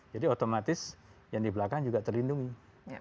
jadi otomatis yang di belakang juga terlindungi